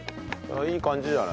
いい感じじゃない？